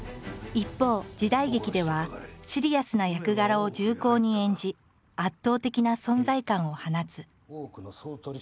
一方時代劇ではシリアスな役柄を重厚に演じ圧倒的な存在感を放つ。